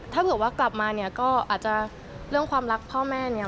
ถ้าเกิดว่ากลับมาเนี่ยก็อาจจะเรื่องความรักพ่อแม่เนี่ย